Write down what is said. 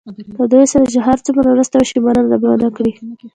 له دوی سره چې هر څومره مرسته وشي مننه به ونه کړي.